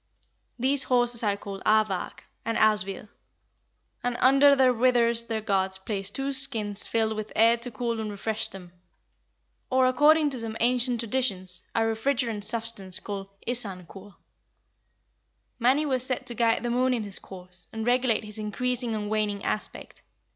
These horses are called Arvak and Alsvid, and under their withers the gods placed two skins filled with air to cool and refresh them, or, according to some ancient traditions, a refrigerant substance called isarnkul. Mani was set to guide the moon in his course, and regulate his increasing and waning aspect.